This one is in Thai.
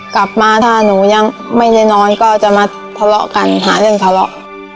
กลับมาถ้าหนูยังไม่ได้นอนก็จะมาทะเลาะกันหาเรื่องทะเลาะ